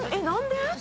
何で？